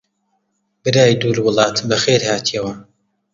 برای دوور وڵات بەخێر هاتیەوە!